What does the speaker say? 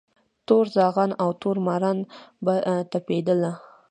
تور زاغان او تور ماران به تپېدله